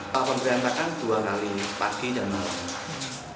pakan berantakan dua kali pagi dan malam